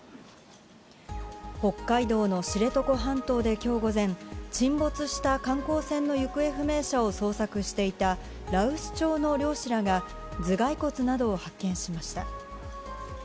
北海道の知床半島できょう午前、沈没した観光船の行方不明者を捜索していた羅臼町の漁師らが頭蓋骨などを発見しました。